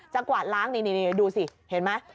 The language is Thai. กวาดล้างนี่ดูสิเห็นไหม